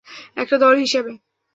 একটা দল হিসাবে।